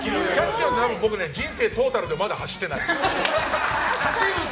多分、僕、人生トータルでまだ走ってない。